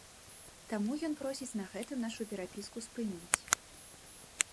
Таму ён просіць на гэтым нашу перапіску спыніць.